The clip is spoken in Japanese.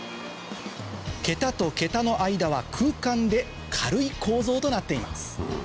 桁と桁の間は空間で軽い構造となっています